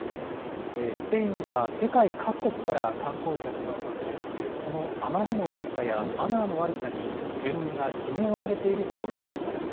スペインには世界各国から観光客が訪れて、そのあまりの多さや、マナーの悪さに、住民が悲鳴を上げているといいます。